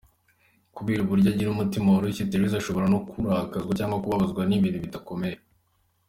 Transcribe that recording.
Kubera uburyo agira umutima woroshye, Therese ashobora no kurakazwa cyangwa kubabazwa n’ibintu bidakomeye.